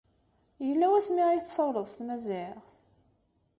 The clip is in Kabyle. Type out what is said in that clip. Yella wasmi ay tessawleḍ s tmaziɣt?